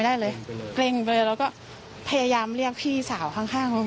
แล้วก็พยายามเรียกพี่สาวข้าง